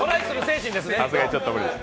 さすがにちょっと無理です。